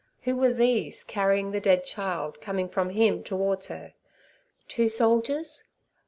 Who were these carrying the dead child coming from Him towards her? Two soldiers?